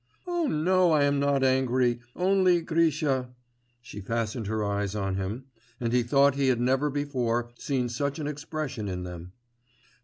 'Oh, no! I am not angry. Only, Grisha....' (She fastened her eyes on him, and he thought he had never before seen such an expression in them.)